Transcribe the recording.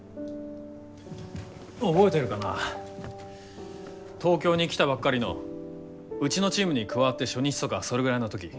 覚えてるかな東京に来たばっかりのうちのチームに加わって初日とかそれぐらいの時。